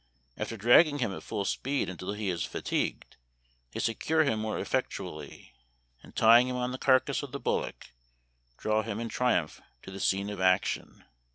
After dragging him at full speed until he is fa tigued they secure him more effectually, and, tying him on the carcass of the bullock, draw him in triumph to the scene of action.